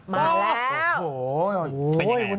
มาแล้ว